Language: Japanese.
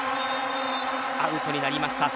アウトになりました。